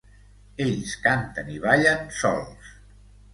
Ells canten i ballen sols.